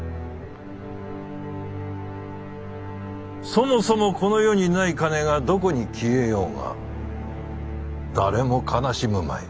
そもそもこの世にない金がどこに消えようが誰も悲しむまい。